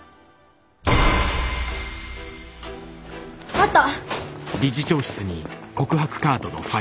あった！